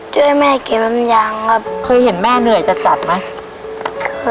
ช่วยแม่เก็บน้ำยางครับเคยเห็นแม่เหนื่อยจัดจัดไหม